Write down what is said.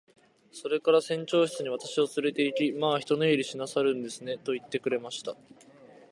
それから船長室に私をつれて行き、「まあ一寝入りしなさるんですね。」と言ってくれました。